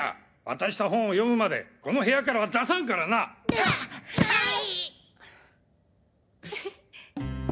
渡した本を読むまでこの部屋からは出さんからな！ははい！